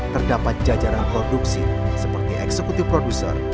terdapat jajaran produksi seperti eksekutif produser